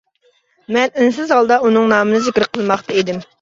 مەن ئۈنسىز ھالدا ئۇنىڭ نامىنى زىكىر قىلماقتا ئىدىم.